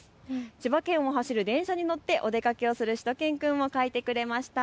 千葉県を走る電車に乗ってお出かけをするしゅと犬くんを描いてくれました。